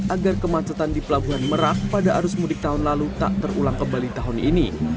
agar kemacetan di pelabuhan merak pada arus mudik tahun lalu tak terulang kembali tahun ini